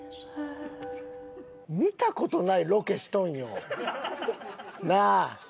見た事ないロケしとんよ。なあ。